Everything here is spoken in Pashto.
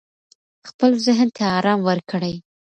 خپل ذهن ته آرام ورکړئ.